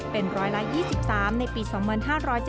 เป็น๑๒๓บาทในปี๒๕๗๙บาท